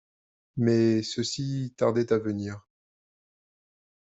Mais ceux-ci tardaient à venir